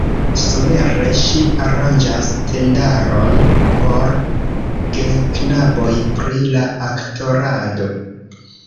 Somere ŝi aranĝas tendaron por geknaboj pri la aktorado.